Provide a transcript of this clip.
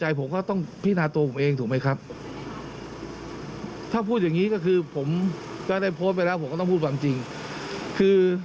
ถ้าท่านนายกไปไม่ได้ท่านก็เป็นท่านนายก